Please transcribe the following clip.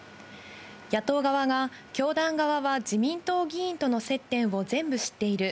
野党側が教団側は自民党議員との接点を全部知っている。